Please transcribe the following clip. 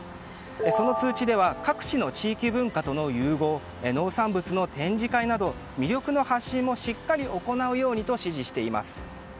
その通知では各地の地域文化との融合農産物の展示会など魅力の発信もしっかり行うようにと指示しています。